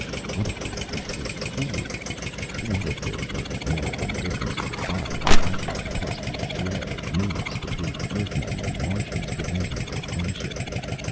What if we were complete fools? What if there were more than differences of body and background, plus the dread of newness, between Earthmen and Martians, preventing their friendship?